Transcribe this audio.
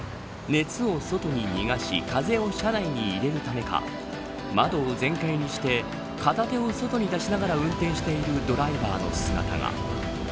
熱を外に逃がし風を車内に入れるためか窓を全開にして片手を外に出しながら運転しているドライバーの姿が。